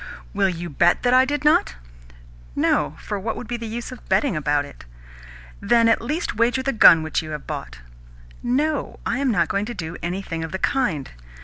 "Will you bet that I did not?" "No; for what would be the use of betting about it?" "Then at least wager the gun which you have bought." "No, I am not going to do anything of the kind."